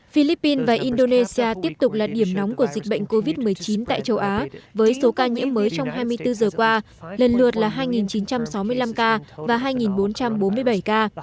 philippines và indonesia tiếp tục là điểm nóng của dịch bệnh covid một mươi chín tại châu á với số ca nhiễm mới trong hai mươi bốn giờ qua lần lượt là hai chín trăm sáu mươi năm ca và hai bốn trăm bốn mươi bảy ca